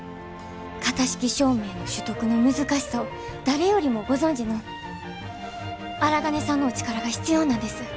型式証明の取得の難しさを誰よりもご存じの荒金さんのお力が必要なんです。